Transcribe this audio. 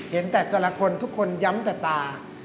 เห็นแต่แต่ละคนทุกคนย้ำแต่ตา